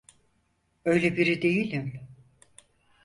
Öyle biri değilim.